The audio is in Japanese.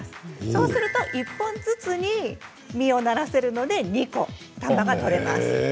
そうすると１本ずつに実をならせるので２個玉が取れます。